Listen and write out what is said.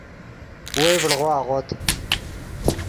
وئے ڤڑغو اغوت